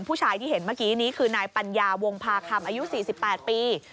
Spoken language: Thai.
ผู้ชายที่เห็นเมื่อกี้นี้คือนายปัญญาวงพาคำอายุ๔๘ปี